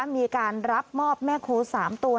มีการรับมอบแม่โค๓ตัว